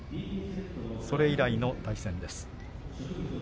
それ以来の対戦です。